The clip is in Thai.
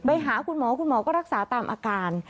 ไปหาคุณหมอคุณหมอก็รักษาตามอาการ